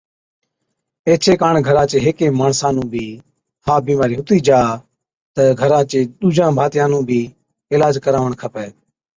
ايڇي ڪاڻ گھرا چي هيڪي ماڻسا نُون بِي ها بِيمارِي هُتِي جا تہ گھرا چي ڏُوجان ڀاتِيئان نُون بِي علاج ڪراوَڻ کپَي